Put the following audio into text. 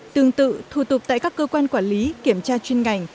tương tự thủ tục tại các cơ quan quản lý kiểm tra chuyên ngành